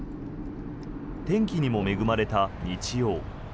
天気にも恵まれた日曜。